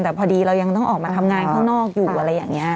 แต่พอดีเรายังต้องออกมาทำงานข้างนอกอยู่อะไรอย่างนี้